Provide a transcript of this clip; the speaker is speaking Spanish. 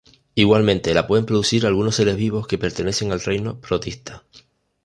Igualmente la pueden producir algunos seres vivos que pertenezcan al reino protista.